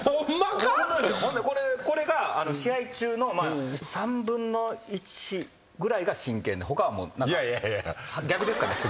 これが試合中の３分の１ぐらいが真剣で他はもう何か逆ですかね。